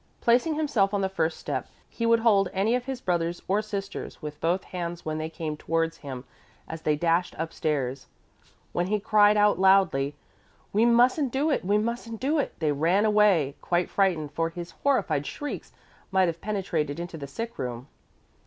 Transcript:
Placing himself on the first step, he would hold any of his brothers or sisters with both hands when they came towards him as they dashed upstairs. When he cried out loudly, "We mustn't do it, we mustn't do it," they ran away again, quite frightened, for his horrified shrieks might have penetrated into the sick room.